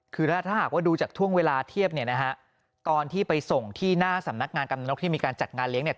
คือถ้าหากว่าดูจากช่วงเวลาเทียบเนี่ยนะฮะตอนที่ไปส่งที่หน้าสำนักงานกำนกที่มีการจัดงานเลี้ยเนี่ย